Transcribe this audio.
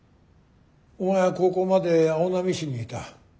お前は高校まで青波市にいた。